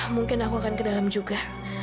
mungkin aku akan ke dalam juga